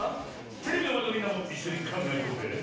テレビのまえのみんなもいっしょにかんがえておくれ。